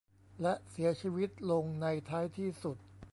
และเสียชีวิตลงในท้ายที่สุด